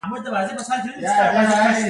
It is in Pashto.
ښځه څه حق لري؟